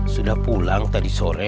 sudah pulang tadi sore